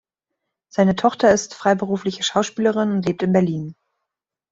Seine Tochter ist freiberufliche Schauspielerin und lebt in Berlin.